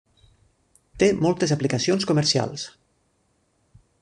Té moltes aplicacions comercials.